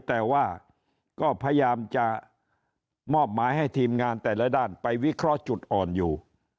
แต่ว่าก็พยายามจะมอบหมายให้ทีมงานแต่ละด้านไปวิเคราะห์จุดอ่อนอยู่